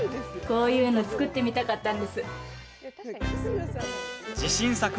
こういうの作ってみたかったんです。